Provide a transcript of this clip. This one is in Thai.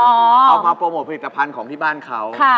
เอามาโปรโมทผลิตภัณฑ์ของที่บ้านเขา